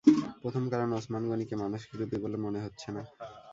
প্রথম কারণ-ওসমান গনিকে মানসিক রুপী বলে মনে হচ্ছে না।